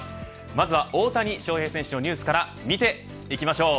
まずは大谷選手のニュースから見ていきましょう。